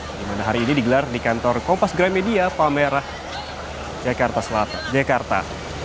dimana hari ini digelar di kantor kompas gramedia palmerah jakarta selatan